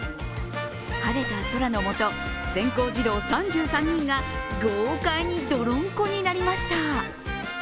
晴れた空のもと、全校児童３３人が豪快にどろんこになりました。